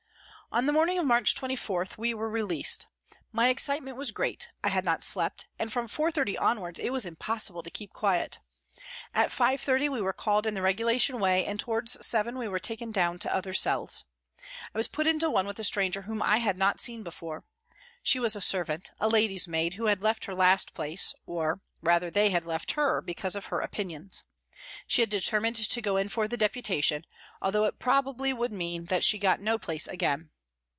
The morning of March 24 we were released. My excitement was great, I had not slept, and from 4.30 onwards it was impossible to keep quiet. At 5.30 we were called in the regulation way and towards 7 we were taken down to other cells. I was put into one with a stranger whom I had not seen before. She was a servant, a lady's maid, who had left her last place, or, rather, they had left her, because of her opinions. She had determined to go in for the Deputation, although probably it would mean that she got no place again.